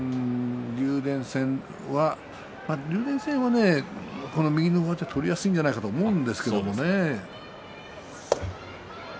竜電戦は竜電戦は右の上手が取りやすいんじゃないかと思うんですけれどもね。